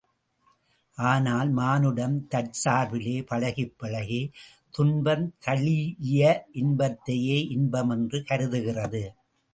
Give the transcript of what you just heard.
ஆனால் மானுடம் தற்சார்பிலே பழகிப் பழகி, துன்பந்தழீஇய இன்பத்தையே இன்பம் என்று கருதுகிறது.